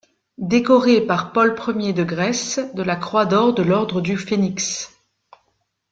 Décoré par Paul Ier de Grèce de la croix d'or de l'ordre du Phénix.